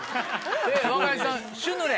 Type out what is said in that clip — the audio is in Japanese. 若井さんシュヌレ。